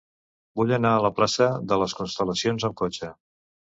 Vull anar a la plaça de les Constel·lacions amb cotxe.